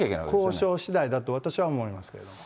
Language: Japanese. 交渉しだいだと私は思いますけど。